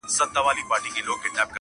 د غزلونو ربابونو مېنه!!